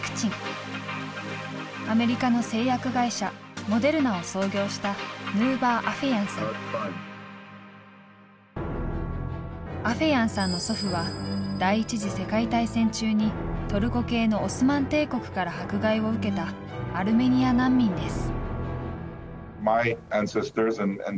アメリカの製薬会社アフェヤンさんの祖父は第一次世界大戦中にトルコ系のオスマン帝国から迫害を受けたアルメニア難民です。